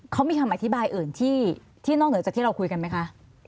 เขามีคำอธิบายอื่นที่นอกเหนือจากที่เราคุยกันไหมคะ